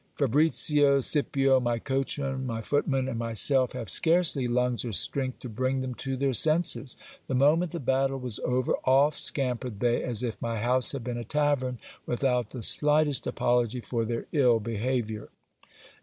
Fabricio, Scipio, my coachman, my footman, and myself, have scarcely lungs or strength to bring them to their senses. The mo ment the battle was over, off scampered they as if my house had been a tavern, without the slightest apology for their ill behaviour.